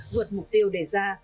vượt mục tiêu đề ra